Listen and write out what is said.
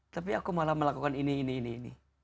tapi aku malah melakukan ini ini ini ini